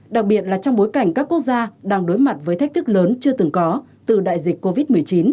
đặc biệt là trong bối cảnh các quốc gia đang đối mặt với thách thức lớn chưa từng có từ đại dịch covid một mươi chín